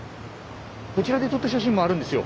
こちらで撮った写真もあるんですよ。